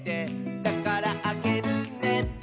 「だからあげるね」